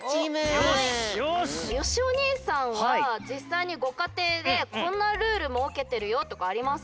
よしお兄さんはじっさいにごかていでこんなルールもうけてるよとかありますか？